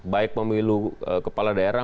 baik pemilu kepala daerah